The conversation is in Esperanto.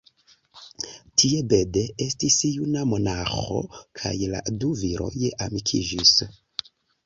Tie Bede estis juna monaĥo, kaj la du viroj amikiĝis.